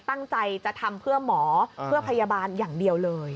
ตั้งใจจะทำเพื่อหมอเพื่อพยาบาลอย่างเดียวเลย